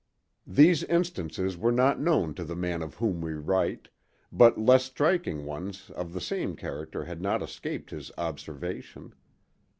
These instances were not known to the man of whom we write, but less striking ones of the same character had not escaped his observation.